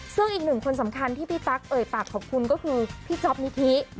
ซึ่งอีกหนึ่งคนสำคัญที่พี่ตั๊กเอ่ยปากขอบคุณก็คือพี่จ๊อปนิธิ